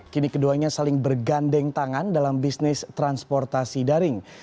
kini keduanya saling bergandeng tangan dalam bisnis transportasi daring